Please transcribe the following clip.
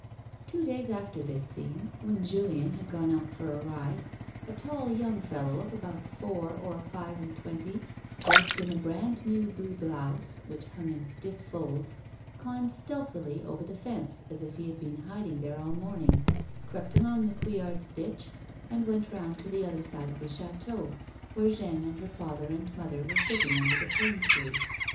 Two days after this scene, when Julien had gone out for a ride, a tall, young fellow of about four or five and A WOMAN'S LIFK. 131 twenty, dressed in a braud new blue blouse, which hung in stiff folds, climbed stealthily over the fence, as if he had been hiding there all the morning, crept along the Couil lards' ditch, and went round to the other side of the chateau where Jeanne and her father and mother were sitting under the plane tree.